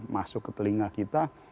masuk ke telinga kita